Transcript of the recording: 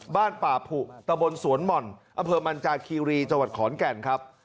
บ้านป่าผูกตะบลสวนหม่อนอเพิร์มอันจาคคีรีจขอนแก่นครับ